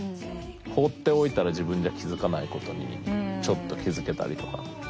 放っておいたら自分じゃ気付かないことにちょっと気付けたりとか。